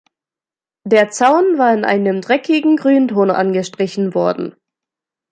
Der Zaun war in einem dreckigen Grünton angestrichen worden.